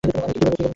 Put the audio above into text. আমাকে কী বলবে?